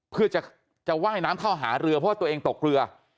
เพื่อจะว่ายน้ำเข้าหาเรือเพราะว่าตัวเองตกเรือ